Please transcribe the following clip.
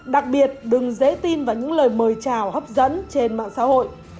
đặc biệt đừng dễ tin vào những lời mời chào hấp dẫn trên mạng xã hội